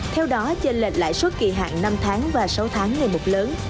theo đó trên lệnh lãi suất kỳ hạn năm tháng và sáu tháng ngày một lớn